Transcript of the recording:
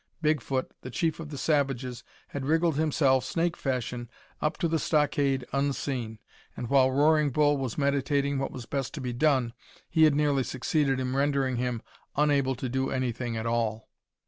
Bigfoot, the chief of the savages, had wriggled himself, snake fashion, up to the stockade unseen, and while Roaring Bull was meditating what was best to be done, he had nearly succeeded in rendering him unable to do anything at all.